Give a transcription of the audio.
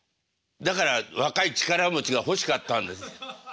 だから若い力持ちが欲しかったんです。